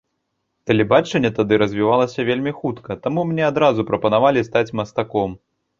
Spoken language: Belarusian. Тэлебачанне тады развівалася вельмі хутка, таму мне адразу прапанавалі стаць мастаком.